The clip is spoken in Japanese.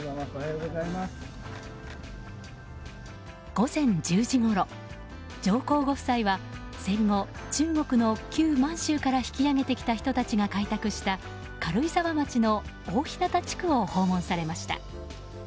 午前１０時ごろ、上皇ご夫妻は戦後、中国の旧満州から引き揚げてきた人たちが開拓した軽井沢町の大日向地区を訪問されました。